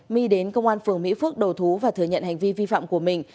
my đến công an phường mỹ phước đầu thú và thừa nhận hành vi vi phạm của mình